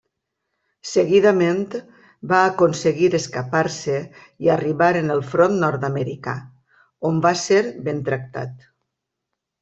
Seguidament va aconseguir escapar-se i arribar en el front nord-americà, on va ser ben tractat.